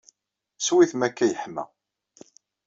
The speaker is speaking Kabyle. Ssew-it mi akk-a yeḥma.